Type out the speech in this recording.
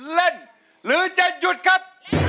เล่นหรือจะหยุดครับ